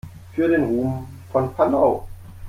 Für den Ruhm von Panau!